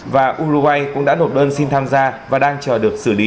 và uruguay cũng đã nộp đơn xin tham gia và đang chờ được xử lý